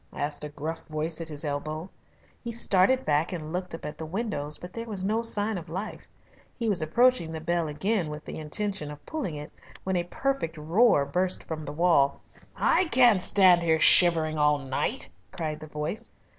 asked a gruff voice at his elbow. He started back and looked up at the windows, but there was no sign of life. He was approaching the bell again with the intention of pulling it, when a perfect roar burst from the wall. "I can't stand shivering here all night," cried the voice.